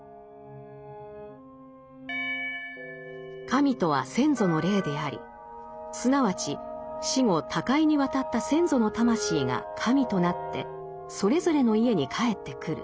神とは先祖の霊でありすなわち死後他界に渡った先祖の魂が神となってそれぞれの家に帰ってくる。